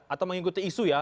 atau mengikuti isu ya